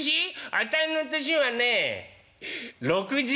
あたいの年はね６０」。